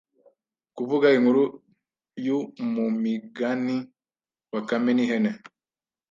kuvuga inkuru yumumigani bakame nihene